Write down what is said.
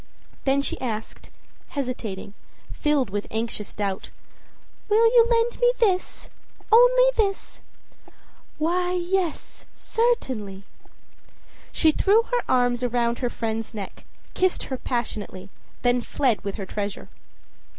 Then she asked, hesitating, filled with anxious doubt: âWill you lend me this, only this?â âWhy, yes, certainly.â She threw her arms round her friend's neck, kissed her passionately, then fled with her treasure.